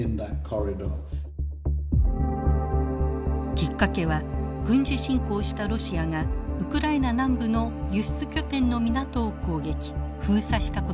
きっかけは軍事侵攻したロシアがウクライナ南部の輸出拠点の港を攻撃封鎖したことでした。